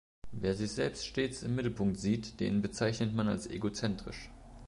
Wer sich selbst stets im Mittelpunkt sieht, den bezeichnet man als egozentrisch.